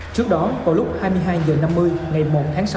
trước đó vào lúc hai mươi hai h năm mươi ngày một tháng sáu